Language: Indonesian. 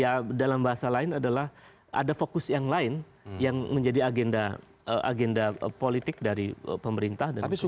ya dalam bahasa lain adalah ada fokus yang lain yang menjadi agenda politik dari pemerintah dan pemerintah